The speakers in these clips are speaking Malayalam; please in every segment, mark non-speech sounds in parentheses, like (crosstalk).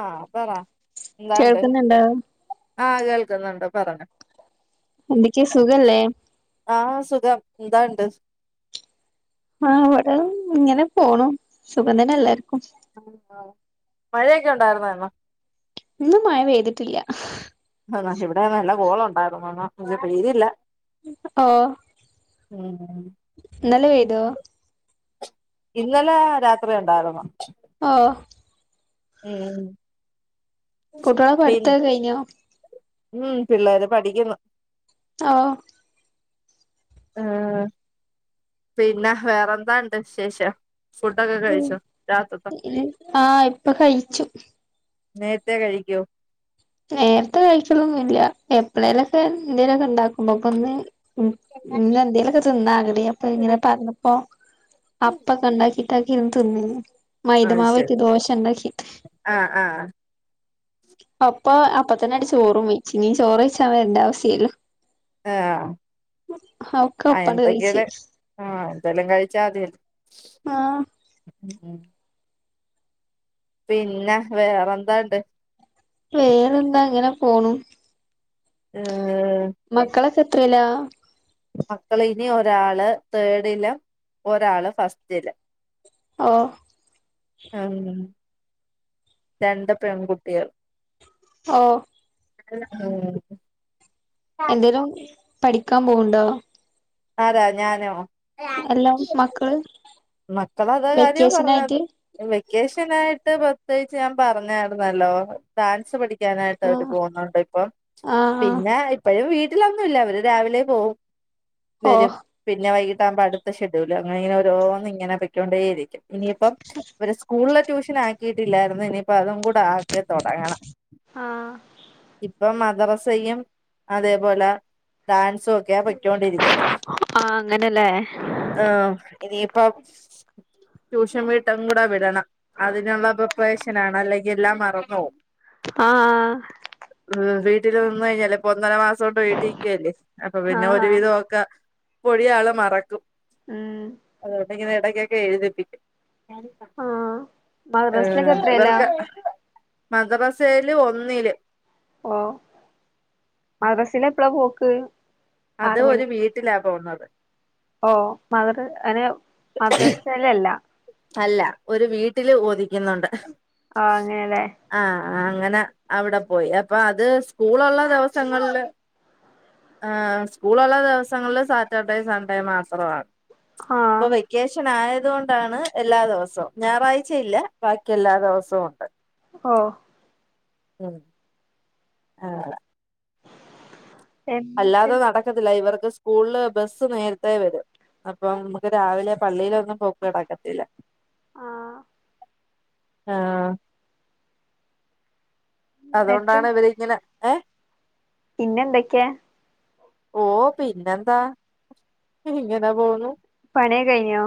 ആ പറ എന്താണ്ട് കേൾക്കുന്നുണ്ടോ ആ കേൾ ക്ക്ന്നുണ്ട് പറഞ്ഞോ. എന്തക്കെയോ സുഖവല്ലേ ആ സുഖം എന്തോ ഉണ്ട് ആ അവിടെ ഇങ്ങനെ പോണു സുഖം തന്നെ അല്ലേ ആ മഴയൊക്കെ ഉണ്ടായിരുന്നോ ഇന്ന് ഇന്ന് മഴ പെയ്തിട്ടില്ല ആ ഇവിടെ നല്ല കോള് ഉണ്ടായിരുന്നു പെയ്തില്ല ഓ ഉം ഇന്നലെ വെ ന്തോ ഇന്നലെ രാത്രി ഉണ്ടായിരുന്നു ഓ ഉം കുട്ടികളുടെ പിൻ പഠിത്തം ഒക്കെ കഴിഞ്ഞോ ഉം പിള്ളേര് പഠിക്കുന്നു ഓ ആ പിന്നെ വേറെന്തോ ഉണ്ട് വിശേഷം ഫുഡൊക്കെ ഉം കഴിച്ചോ രാത്രിത്തെ ആഹ് ഇപ്പൊ കഴിച്ചു നേരത്തെ കഴിക്കുവോ നേരത്തെ കഴിക്കലൊന്നുല്ല എപ്പളേലൊക്കെ എന്തേലൊക്കെ ണ്ടാക്കൊള്ളൂ ഇപ്പൊ ഇന്ന് ഉം ഇന്ന് എന്തേലൊക്കെ തിന്നാ അപ്പൊ ഇങ്ങനെ പറഞ്ഞപ്പോ അപ്പൊക്കെ ണ്ടാക്കി (unintelligible) അത് മൈദമാവ് ശരി വെച്ച് ദോശ ണ്ടാക്കിട്ട് ആഹ് ആഹ് അപ്പൊ അപ്പത്തന്നണ്ട് ചോറും വെയ്ച്ച് ഇനി ചോറ് വെയ്ച്ചാൻ വെര്ണ്ടാവശ്യല്ലല്ലോ ഒക്കെ ആ ഒപ്പാണ്ട് കഴിച്ച് എന്തെക്കേണ് ആ എന്തേലും കയ്ച്ചാമതിയല്ലോ ആഹ് ഉം പിന്നെ വേറെന്തോണ്ട് വേറെന്താ അങ്ങനെ പോണു ആ മക്കളൊക്കെ എത്രേല (inaudible) മക്കൾ ഇനി ഒരാള് തേടിലും ഒരാള് ഫസ്റ്റില് ഓ ആണ് ലെ രണ്ട് പെൺകുട്ടികൾ ഓ (unintelligible) ഉം എന്തേലും പഠിക്കാൻ പോവ്ണ്ടോ ആരാ ഞാനോ എല്ലാം മക്കൾ മക്കള അതാ കാര്യം പറഞ്ഞത് വെക്കേ ഷനായിട്ട് പ്രത്യേകിച്ച് ഞാൻ പറഞ്ഞായിരുന്നല്ലോ ഡാൻസ് പഠി ക്കാനായിട്ട് അവര് ആഹ് പോകുന്നുണ്ട് ഇപ്പ. ആഹ് ആഹ് പിന്നെ ഇപ്പഴ് വീ ട്ടിലൊന്നുമില്ല അവര് രാവിലെ പോകും, ഓ വരും പിന്നെ വൈകിട്ട് ആകുമ്പ അടു ത്ത ഷെഡ്യൂൾ അങ്ങനിങ്ങനെ ഓരോന്നി ങ്ങനെ പൊയ്ക്കൊണ്ടേയിരിക്കും. ഇനിയിപ്പം ഇവര് സ്കൂളില് ട്യൂഷൻ ആക്കിട്ടില്ലായിരുന്നു ഇനിപ്പ അതും കൂ ടാക്കി തുടങ്ങണം ആഹ് ഇപ്പം മ ദറസയും അതേപോലെ ഡാൻസും ഒക്കെയാ പ ഠിച്ചോണ്ടിരിക്കുന്നെ. ആഹ് അങ്ങനെല്ലേ ആഹ് ഇനിയി പ്പൊ ട്യൂഷൻ വീട്ടും കൂടെ വിടണം അതിനുള്ള പ്രിപ്പറേഷനാണ് അല്ലെങ്കിൽ എല്ലാം മറന്നു പോവും. ആഹ് വീട്ടിൽ നിന്ന് കഴിഞ്ഞല്ലെപ്പം ഒന്നര മാസം ഇപ്പം വീട്ടിക്കല്ലേ അപ്പൊ പിന്നെ ആഹ് ഒരുവിധോക്കെ പൊഴിയ ആളെ മറക്കും ഉം അതോണ്ടൊക്കെ എടയ്ക്കൊക്കെ എഴുതിപ്പിക്കും ആഹ് ഏ മദ്രസിലൊക്കെ എത്രേലാ ഇവർക്ക് മദ്രസയില് ഒന്നില് ഓ മദ്രസിലെ എപ്പള പോക്ക് ക്ക്‌ അത് ഒരു വീട്ടിലാ പോകുന്നത് ഓ മതറ് അനെ മദ്രസയിലല്ല അല്ല ഒരു വീട്ടില് ഓദിക്കുന്നുണ്ട് ആ അങ്ങനെയല്ലേ ആ അങ്ങനെ അവിടെ പോയി അപ്പൊ അത് സ്കൂൾ ഉള്ള ദിവസങ്ങളില്- ആ സ്കൂള ഉള്ള ദിവസങ്ങളിൽ സാറ്റർഡേ സൺഡേ മാത്രമാണ് ഇപ്പൊ ആഹ് വെക്കേഷൻ ആയ- അതുകൊണ്ടാണ് എല്ലാ ദിവസവും ഞായറാഴ്ചയില്ല ബാക്കി എല്ലാ ദിവസവും ഉണ്ട്. ഓ ഉം ആ എന്നിട്ട് അല്ലാതെ നടക്കത്തില്ല ഇവർ- സ്കൂളില് ബസ് നേരുത്തേ വരും. അപ്പം നമുക്ക് രാവിലെ പള്ളിയിൽ ഒക്കെ - പോക്ക് നടക്കത്തില്ല ആ ആ അതുകൊണ്ടാണ് ഇവരിങ്ങനെ- ഏ പിന്നെന്തൊക്കെയാ ഓ പിന്നെന്താ ഇങ്ങനെ പോന്നു പണിയൊക്കെ കഴിഞ്ഞോ?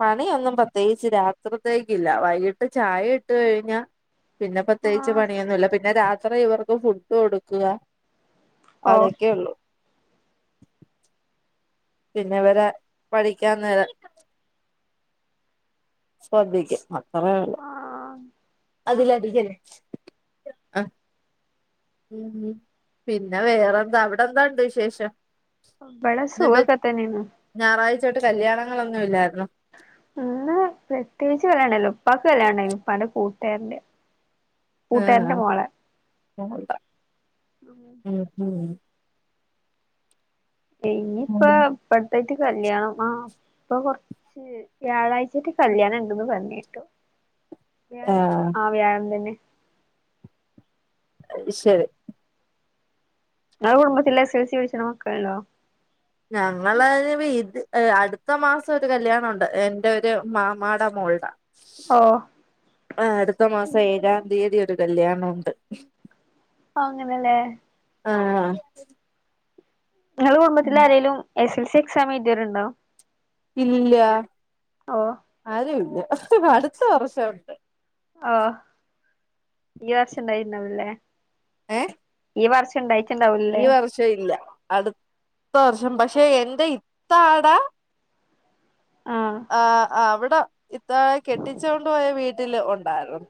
പണിയൊന്നും പ്രത്യേകിച്ച് രാത്രിതേക്കു ഇല്ല വൈകിട്ട് ചായ ഇട്ട കഴിഞ്ഞാ- പിന്നെ ആ പ്രത്യേകിച്ച് പണിയൊന്നും ഇല്ല പിന്നെ രാത്രി ഇവർക്ക് ഫുഡ് കൊടുക്കുക ഓ അതൊക്കെള്ളു പിന്നെവരെ പഠിക്കാൻ നേരം ശ്രദ്ധിക്കും ആ (unintelligible) ആ അതിലടിക്കല്ലേ ആഹ് ഉം പിന്നെ വേറെന്താ അവിടെ എന്താ ഉണ്ട് വിശേഷം (unintelligible) ഇന്നിപ്പ സുഖക്കത്തന്നെന്ന് (unintelligible) കല്യാണങ്ങളൊന്നും ഇല്ലാരുന്നോ അങ്ങന പ്രത്യേച്ച് പറണ്ടല്ലോ ഇപ്പാക്ക് കല്യാണ് ഉപ്പാന്റെ കൂ രെന്റെ കൂട്ടാരന്റെ ആഹ് മോളെ (unintelligible) ഉം ഉം ഇനിയിപ്പ ഉം ഇപ്പടുത്തായിട്ട് കല്യാണം ആഹ് ഇപ്പൊ കൊറച്ച് വ്യാഴാഴ്ചട്ട് കല്യാണം ഉണ്ടന്ന് പറന്നിട്ടോ വ്യാഴം ആഹ് വ്യാഴം തന്നെ ശരി (unintelligible) കുടുംബത്തില്ല (unintelligible) മക്ക (unintelligible) ഞങ്ങളെ ഇത് അടുത്ത മാസം ഒരു കല്യാണം ഉണ്ട് എന്റെ ഒരു മാമാട മോളുടെ ഓഹ് ആഹ് അടുത്ത മാസം ഏഴാം തീയതി ഒരു കല്യാണുണ്ട് ആങ്ങനല്ലേ ആഹ് നിങ്ങടെ കുടുംബത്തില് ആരേലും (unintelligible) എക്സാം എഴുതിയവരുണ്ടോ ഇല്ല ഓ ആരുവില്ല ഹ്ഹ അടുത്ത വർഷം ഉണ്ട് ആഹ് ഈ വർഷംണ്ടായി (unintelligible) ഏഹ് ഈ വർഷണ്ടായി ഈ വർഷം ഇല്ല അടുത്ത വർഷം പക്ഷേ ക്ഷെ എന്റെ ഇത്ത ആടാ ആഹ് ആഹ് അവിടെ അത് കെട്ടിച്ചുകൊണ്ട് പോയ വീ ട്ടില് ഉണ്ടായിരു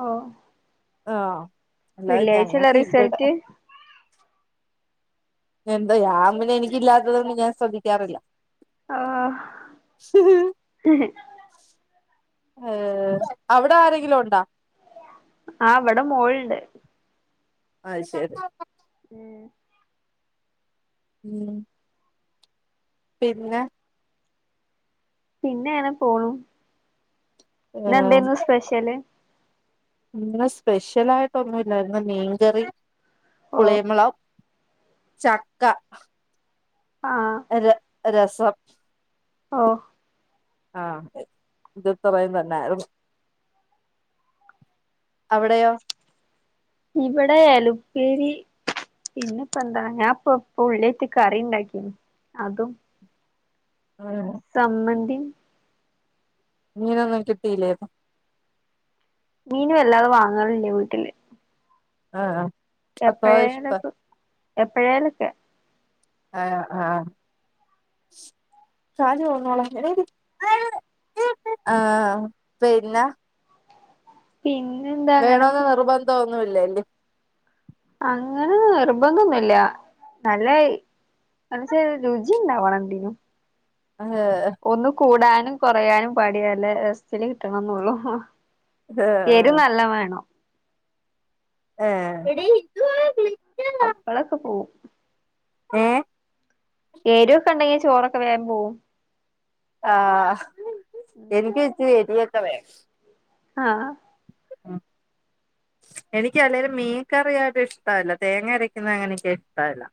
ഓ ആഹ വെള്ളിയാഴ്ച അല്ലെ റിസൽറ്റ്. എന്ത് ഞാൻ എനിക്കില്ലാത്തതൊന്നും ഞാൻ ശ്രദ്ധിക്കാറില്ല. ആഹ ഏർ അവിടെ ആരെങ്കിലും ഉണ്ടാ? ആ ഇവിടെ മോൾണ്ട്. അയ്യ് ശരി. ഉം ഉം പിന്നെ പിന്നെ അങ്ങനെ പോണു. ഏഹ് ഇന്നെന്തെന് സ്പെഷല്? ഇന്ന് സ്പെഷ്യൽ ആയിട്ടൊന്നുമില്ലായിരുന്നു മീൻകറി. (unintelligible) ഓ പുളിം മോളുവും ചക്ക ആഹ ര രസം ഓ ആഹ ഇത് ഇത്രയും തന്നായിരുന്നു. അവിടെയോ? ഇവിടെയാലും. പേരി പിന്നെപ്പ എന്താ ഞാൻപ്പൊ ഉള്ളിട്ട് കറി ഉണ്ടാക്കി അതും. ആഹ് സമ്മന്തി. (unintelligible) മീനൊന്നും കിട്ടീല്ലേതോ? മീനും വല്ലാതെ വാങ്ങറില്ല വീട്ടില്. ആഹ ആ എപ്പഴെ എഴുന്നേക്കും. എപ്പോഴാലൊക്കെ. ആഹ ആഹ (unintelligible) ആഹ പിന്നെ. പിൻ വേണമെന്ന് നിർബന്ധം ഒന്നു ഇല്ലേ. (inaudible) അങ്ങനെ നിർബന്ധം ഒന്നുമില്ല. നല്ലെ (unintelligible) രുചിണ്ടാവണം എന്തിനും. ഏഹ് ഒന്ന് കൂടാൻ. കൊറയാനും പാടിയാല്ലെ രസത്തിനു കിട്ടണന്നള്ളു. എരു ഏഹ് നല്ല വേണം. ആഹ (unintelligible) അപ്പളൊക്കെ പോവും ഏ എരൊക്കെണ്ടെങ്കി ചോറൊക്കെ വേം പോവും ആ എനിക്കിചിരി എരിവൊ ക്കെ വേണം ആ മ് എനിക്ക് അല്ലേലും മീൻ കറിയായിട്ട് ഇഷ്ടല്ല തേങ്ങ അരക്കുന്ന അങ്ങനെയൊകിഷ്ടല്ല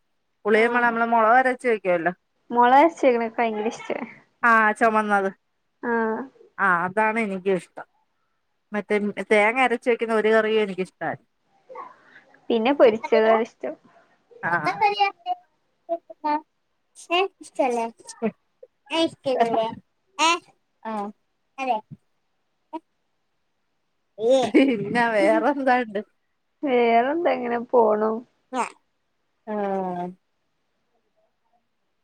പുളിയുംമാണം മ്മളെ മൊളകരച് വെ (unintelligible) ല മൊളകരച്ച് വെക്ണതൊക്കെ ഭയങ്കരിഷ്ട ആ ചൊമന്നത് ആ ആ അതാണെനിക്കിഷ്ടം മറ്റേ തേങ്ങരച് വെക്കുന്നത് ഒരു കറിയും എനിക്കിഷ്ടല്ല പിന്നെ പൊരിച്ചതാണിഷ്ടം ആ (unintelligible) ഇഷ്ടല്ലേ ഇഷ്ടല്ലേ ആ അതെ യേ വേറെന്താ ഇങ്ങനെ പോണു- ആഹ് -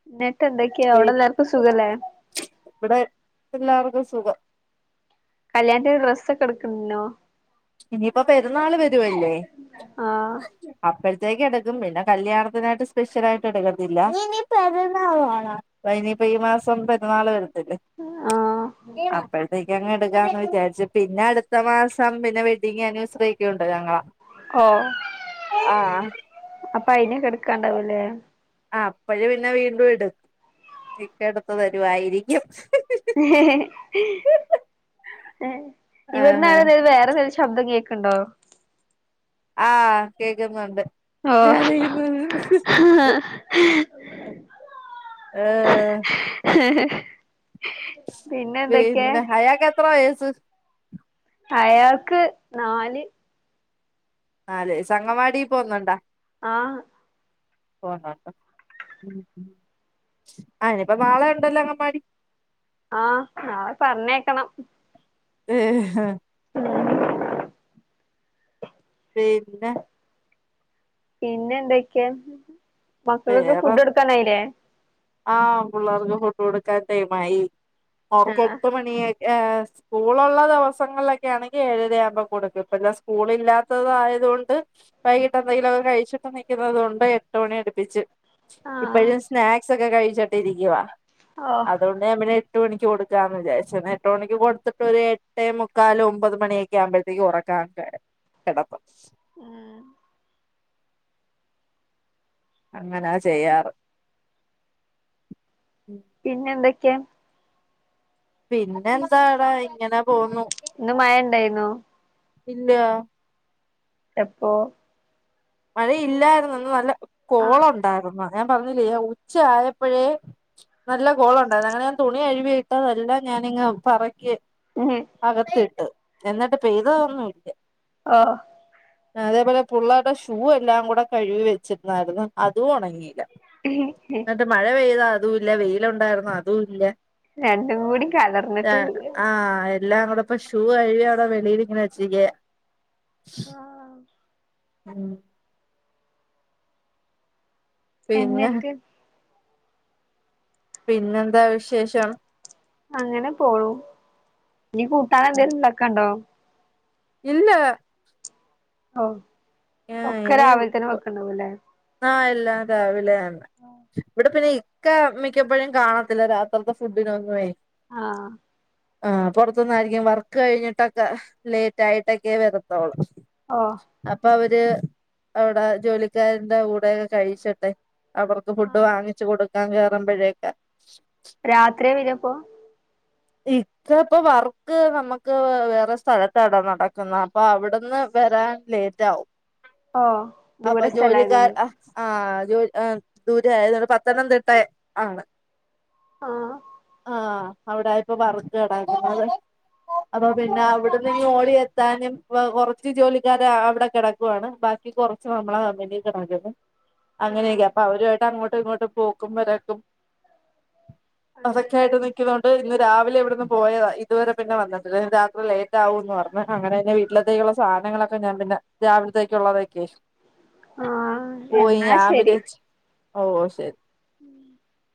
(unintelligible) ട്ടെന്തൊക്കെയ അവിടെ എല്ലാർക്കും സുഖല്ലേ? ക്കും സുഖം- കല്യാണത്തിന് ഡ്രസ്സൊക്കെ എടുക്ക്ന്ന്ണ്ണോ? ഇനിയിപ്പോ പെരു- ന്നാള് വരുവല്ലേ ആഹ് അപ്പ- ഴത്തെക്കും എടുക്കും പിന്നെ കല്യാണത്തിനായിട്ട് സ്പെഷ്യൽ ആയിട്ട് എടുക്കത്തില്ല അപ്പൊ ഇനിയിപ്പോ ഈ മാസം പെുന്നാൾ വരും- ല്ലെ ആഹ് അപഴത്തെക്ക്- എങ്ങ എടുക്കാന്ന് വിചാരിച്ചു പിന്നെ അടുത്ത മാസം പിന്ന- വെഡിങ് ആനിവേഴ്സറി ഒക്കെയുണ്ട് - ഒരാങ്ങള ഓഹ് ആഹ് ആ- പ്പ അയ്‌ന് കെട്ക്കാംണ്ടാവുംലെ? ആ അപ്പഴും പിന്നെ വീണ്ടും എടുക്കും ഇക്ക എടുത്തു തരുവായിരിക്കും- ഹ് ഹ് ഹ് ഏ ആഹ് ഇവിടന്നൊരു വേറൊരു ശബ്ദം കേൾക്- ക്ക്ണ്ടോ? ആ കേക്കുന്നൊണ്ട്- ഓ ഹാ വര്ന്ന ഹയാക എത്ര വയസ് അയാൾക്ക് നാല് ആല്ലേ അംഗൻവാടി പോകുന്നുണ്ടാ? ആഹ് പോണ്ടോണ്ടോ ആ ഇനിയിപ്പ നാളെ ഉണ്ടല്ലോ അംഗൻവാടി ആഹ് ഞ പറഞ്ഞയ്ക്കണം ഏ പിന്നെ പിന്നെ എന്തൊക്കെയാ മക്കൾക്ക് വേറെ ഫുഡ് കൊടുക്കാനായില്ലേ? ആ പിള്ളേർക്ക് ഫുഡ്‌ കൊടുക്കാൻ ടൈമായി. അവർക്ക് ആഹ് എട്ട് മണി ഏ സ്കൂളൊള്ള ദിവസങ്ങളിലൊക്കെ ആണെങ്കിൽ ഏഴരയാവുമ്പോ കൊടുക്കും ഇപ്പന്നെ സ്കൂള് ഇല്ലാത്തതായത് കൊണ്ട് വൈകിട്ട് എന്തെങ്കിലും ഒക്കെ കഴിച്ചിട്ട പുന്നത് കൊണ്ട് എട്ട് മണി എടു പിച്ച് ആഹ് ഇപ്പഴും സ്നാ സക്ക കഴിച്ചട്ടി ഇരിക്കവാ ഓ അതൊണ്ട് മെ എട്ട് മണിക്ക് കൊടുക്കാന്ന് വിചാരിച്ചന്ന് എട്ടു മണിക്ക് കൊടുത്തിട്ട് ഒരു എട്ടേ മുക്കാാല ഒമ്പത് മണിയൊക്കെ ആകുമ്പോഴത്തേക്ക് ഉറക്കാൻ കിടക്കും ഉം അങ്ങനാ ചെയ്യാറ് പിന്നെ എന്തൊക്ക ക്കേ പിന്നെ എന്താടാ ഇങ്ങനെ പോന്നു ഇന്ന് മഴ ഇണ്ടായിന്നോ ഇല്ല എപ്പോ മഴയില്ലായിരുന്നു നല്ല കോള് ഉണ്ടായിരുന്നു ഞാൻ പറഞ്ഞില്ലേ ഉച്ച ആയപ്പോഴേ നല്ല കോള് ഉണ്ടായിരുന്നു അങ്ങനെ ഞാൻ തുണി കഴുകി ഇട്ടതെല്ലാം ഞാനിങ്ങ് പറയ് ആഹ് അകത്തി ഇട്ട് എന്നിട്ട് പെയ്തോന്നും ഇല്ല ആ അതേപോലെ പുള്ളാർടെ- ഷൂ എല്ലാം കൂടെ കഴുകി വെച്ചിരുന്നായിരുന്നു അതും ഉണങ്ങിയില്ല ഓ എന്നിട്ട് മഴ പെയ്താ അതും ഇല്ല വെയിലുണ്ടായിരുന്നു അതും ഇല്ല രണ്ടും കൂടി കലർന്നിട്ടില്ല ആഹ് എല്ലാം അങ്ങോടെ ഇപ്പ ഷൂ കഴിയ അവിടെ വെളിയിൽ ഇങ്ങനെ വെച്ചിരിക്ക ആ ഉം പിന്നെ എന്നിട്ട് പിന്നെന്താ വിശേഷം അങ്ങനെ പോളും നീ കൂട്ടാൻ എന്തേങ്കിലും ഉണ്ടാക്കണ്ടോ ഇല്ല ഓ ഒക്കെ രാവിലെ തന്നെ വെക്കണ്ടാവും അല്ലേ ആ എല്ലാം രാവിലെ ആക്കും ഇവിടെ പിന്നെ മിക്ക മിക്കപ്പോഴും കാണത്തില്ല രാത്രിത ഫുഡിനൊഒന്നുമേ ആ ആ പുറത്തന്നായിരിക്കും വർക്ക് കഴിഞ്ഞിട്ടൊക്കെ ലേറ്റ് ആയിട്ടൊക്കെ വരത്തോളൂ ഓ അപ്പൊ അവ (unintelligible) അവിടെ ജോലിക്കാ (unintelligible) കൂടെയൊക്കെ കഴിച്ചട്ടെ അവർക്ക് ഫുഡ് വാങ്ങിച്ച് കൊടു (unintelligible) കയറുമ്പോഴക്കെ രാത്രി വരും പ്പൊ ഇക്ക ഇപ്പൊ വർക്ക് നമുക്ക് വേറെ സ്ഥല ത്താട നടക്കുന്ന അപ്പൊ അവിടുന്ന് വരാൻ ലേറ്റ് ആകും ഓ അപ്പൊ ദൂര ജോലിക്കാര്‍ സ്ഥലായതൊണ്ട് അ ആ (unintelligible) ആ ദൂരെ ആയതുകൊണ്ട് പത്തനംതിട്ട ആണ് ആഹ് ആ (unintelligible) ഇപ്പൊ വര്‍ക്ക് നടക്കുന്നത് അപ്പൊ പിന്നെ അവിടുന്ന് ഇങ്ങ് ഓടിയ എത്താനും കൊറച്ച് ജോലിക്കാര അവിടെ കിടക്കുവാണ് ബാക്കി കുറച്ച് നമ്മള കമ്പനി കിടക്കുന്ന് ആഹ് അങ്ങനെയൊക്കെയ അപ്പ അവരുമായിട്ട് അങ്ങോട്ട് ഇപ്പൊ ഇങ്ങോട്ട് പോക്കും വരക്കും അതൊക്കെ അങ്ങനെല്ലേ ആയിട്ട് നിക്കുന്നോണ്ട് ഇന്ന് രാവിലെ ഇവിടന്ന് പോയതാ ഇതുവരെ പിന്നെ വന്നിട്ടില്ല രാത്രി ലേറ്റ് ആകൂന്ന് പറഞ്ഞ് അങ്ങനെ തന്നെ വീട്ടിലത്തേക്കുള്ള സാധനങ്ങളൊക്കെ ഞാൻ പിന്നെ രാവിലത്തേക്കുള്ളതൊക്ക ആഹ് പോയി എന്നാ ഞാൻ ശരി വിചാരിച്ച് ഓ ഓ ശെരി (inaudible)